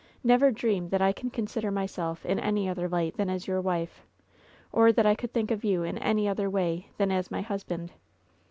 Never dream that I can consider myself in any other light than as your wife, or that I could think of you in any other way than as my husband.